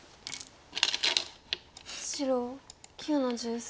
白９の十三。